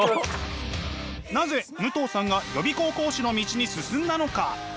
なぜ武藤さんが予備校講師の道に進んだのか？